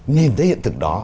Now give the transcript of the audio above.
nhìn thấy hiện thực đó